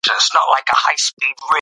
بې خوبۍ فشار زیاتوي.